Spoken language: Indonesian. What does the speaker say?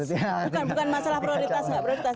bukan bukan masalah prioritas nggak prioritas